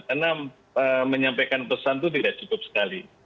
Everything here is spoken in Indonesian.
karena menyampaikan pesan itu tidak cukup sekali